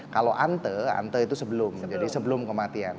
kalau ante ante itu sebelum jadi sebelum kematian